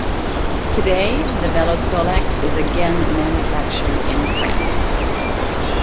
Today, the Velosolex is again manufactured in France.